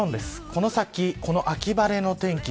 この先、秋晴れの天気